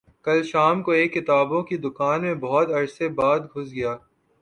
کل شام کو ایک کتابوں کی دکان میں بہت عرصے بعد گھس گیا